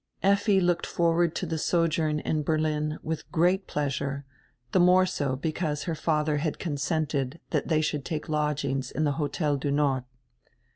Effi looked forward to die sojourn in Berlin widi great pleasure, die more so because her fatiier had consented diat diey should take lodgings in die Hotel du Nord.